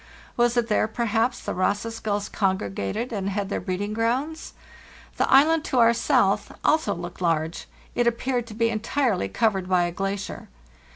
Was it there, perhaps, the Ross's gulls congregated and had their breeding grounds? The island to our south also looked large; it appeared to be entirely covered by a elacier.